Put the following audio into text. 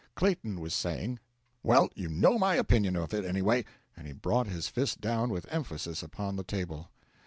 Clayton was saying: 'Well, you know my opinion of it, anyway!' and he brought his fist down with emphasis upon the table.